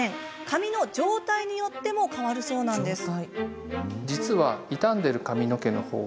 髪の状態によっても変わるそうなんです。